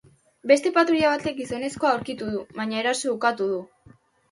Beste patruila batek gizonezkoa aurkitu du, baina erasoa ukatu du.